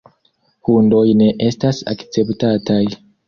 Hundoj ne estas akceptataj.